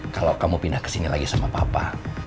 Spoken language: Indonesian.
kalau kamu pindah kesini lagi sama papa